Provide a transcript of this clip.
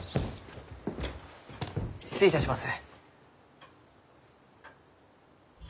失礼いたします。